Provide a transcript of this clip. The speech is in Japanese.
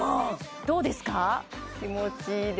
どうですか？